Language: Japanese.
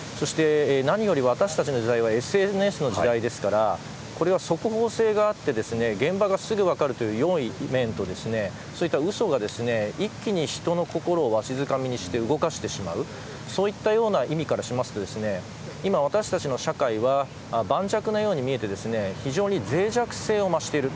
何より私たちの時代はＳＮＳの時代ですからこれは速報性があって現場がすぐ分かるという良い面と嘘が一気に人の心をわしづかみにして動かしてしまうそういったような意味からしますと今、私たちの社会は盤石なように見えて非常に脆弱性を増している。